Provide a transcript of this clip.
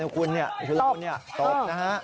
คุณคือเราตบนะฮะ